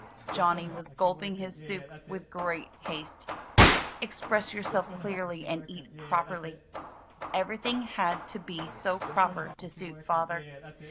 Johnny was gulping his soup with great haste. "Express yourself clearly and eat properly." Everything had to be so proper to suit Father.